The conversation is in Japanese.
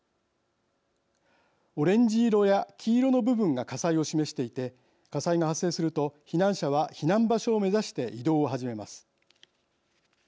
オレンジ色や黄色の部分が火災を示していて火災が発生すると避難者は避難場所を目指して移動を始めます。